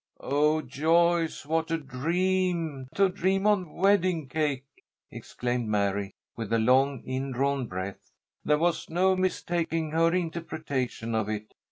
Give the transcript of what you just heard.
'" "Oh, Joyce, what a dream to dream on wedding cake!" exclaimed Mary, with a long indrawn breath. There was no mistaking her interpretation of it.